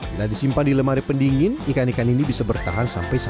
bila disimpan di lemari pendingin ikan ikan ini bisa bertahan sampai satu jam